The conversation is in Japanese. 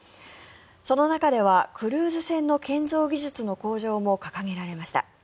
その中ではクルーズ船の建造技術の向上も掲げられました。